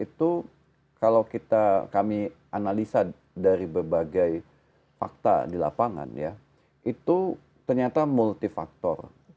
itu kalau kami analisa dari berbagai fakta di lapangan ya itu ternyata multifaktor